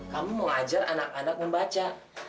kamu mau ngajar anak anak membaca